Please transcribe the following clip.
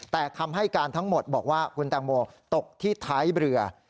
แต่คำให้การทั้งหมดบอกว่าคุณแตงโมตกที่ท้ายเรือ